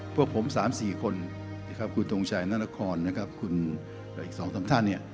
พวกผม๓๔คนนะครับคุณทงชัยนานครนะครับคุณอีก๒๓ท่านเนี่ย